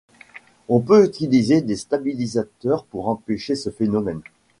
On peut utiliser des stabilisateurs pour empêcher ce phénomène.